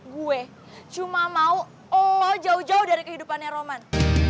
gue cuma mau oh jauh jauh dari kehidupannya roman